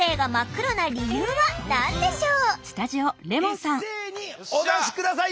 さて一斉にお出し下さい。